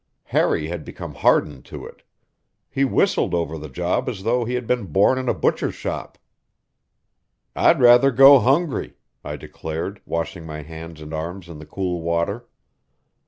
Harry had become hardened to it; he whistled over the job as though he had been born in a butcher's shop. "I'd rather go hungry," I declared, washing my hands and arms in the cool water.